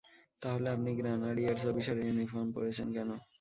তাহলে আপনি গ্র্যানাডিয়ার্স অফিসারের ইউনিফর্ম পরেছেন কেন?